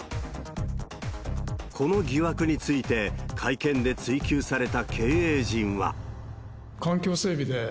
この疑惑について、会見で追及された経営陣は。